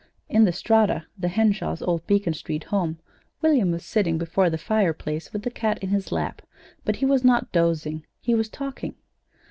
In the Strata, the Henshaws' old Beacon Street home, William was sitting before the fireplace with the cat in his lap, but he was not dozing. He was talking.